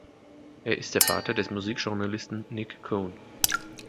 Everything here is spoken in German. Er ist der Vater des Musikjournalisten Nik Cohn.